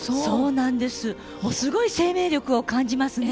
すごい生命力を感じますね。